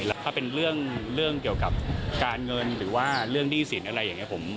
แล้วถ้าเป็นเรื่องเกี่ยวกับการเงินหรือว่าเรื่องหนี้สินอะไรอย่างนี้